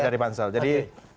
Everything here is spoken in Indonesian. dari pansel jadi